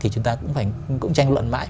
chúng ta cũng tranh luận mãi